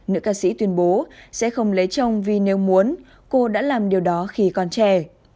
nữ ca sĩ tuyên bố sẽ không lấy chồng vì nếu muốn cô đã làm điều đó khi con trẻ